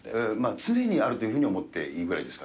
常にあるというふうに思っていいぐらいですか。